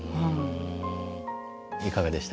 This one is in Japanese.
いかがでした？